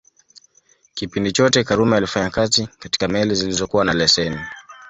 Kipindi chote Karume alifanya kazi katika meli zilizokuwa na leseni